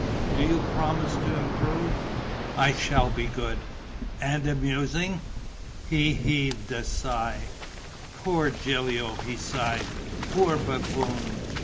Do you promise to improve?" "I shall be good." "And amusing?" He heaved a sigh: "Poor Gilio!" he sighed. "Poor buffoon!"